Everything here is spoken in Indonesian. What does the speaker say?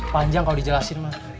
panjang kalau dijelasin mah